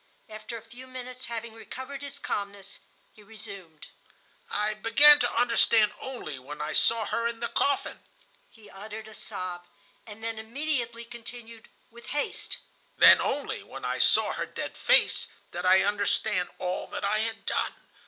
After a few minutes, having recovered his calmness, he resumed: "I began to understand only when I saw her in the coffin." ... He uttered a sob, and then immediately continued, with haste: "Then only, when I saw her dead face, did I understand all that I had done.